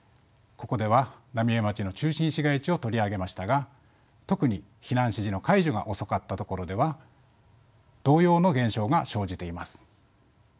ここでは浪江町の中心市街地を取り上げましたが特に避難指示の解除が遅かったところでは同様の現象が生じています。